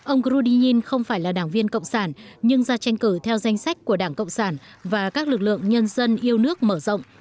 ông krudi nhìn không phải là đảng viên cộng sản nhưng ra tranh cử theo danh sách của đảng cộng sản và các lực lượng nhân dân yêu nước mở rộng